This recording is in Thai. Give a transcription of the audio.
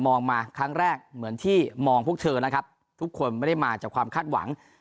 มาครั้งแรกเหมือนที่มองพวกเธอนะครับทุกคนไม่ได้มาจากความคาดหวัง